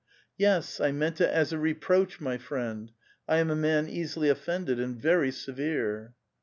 *' "Yes, I meant it as a reproach, my friend ! I am a man easily offended, and very severe